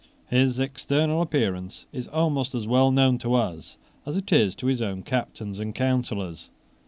His external appearance is almost as well known to us as to his own captains and counsellors.